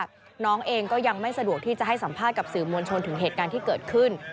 น้องเองก็ยังไม่สะดวกที่จะให้สัมภาษณ์กับสื่อมวลชนถึงเหตุการณ์ที่เกิดขึ้น